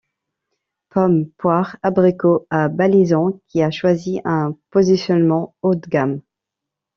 Pommes, poires, abricots à Ballaison qui a choisi un positionnement haut de gamme.